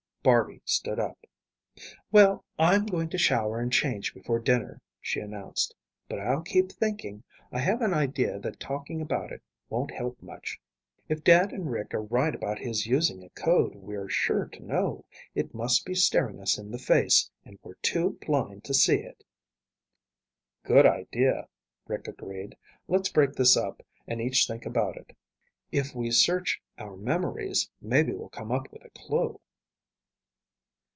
Barby stood up. "Well, I'm going to shower and change before dinner," she announced. "But I'll keep thinking. I have an idea that talking about it won't help much. If Dad and Rick are right about his using a code we're sure to know, it must be staring us in the face and we're too blind to see it." "Good idea," Rick agreed. "Let's break this up and each think about it. If we each search our memories, maybe we'll come up with a clue."